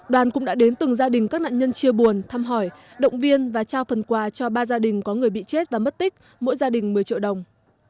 đoàn cũng đã đến từng gia đình các nạn nhân chia buồn thăm hỏi động viên và trao phần quà cho ba gia đình có người bị chết và mất tích mỗi gia đình một mươi triệu đồng